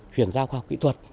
huyển giao khoa học kỹ thuật